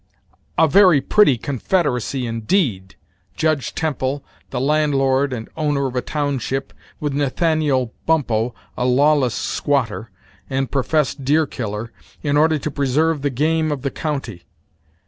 "A very pretty confederacy, indeed! Judge Temple, the landlord and owner of a township, with Nathaniel Bumppo a lawless squatter, and professed deer killer, in order to preserve the game of the county!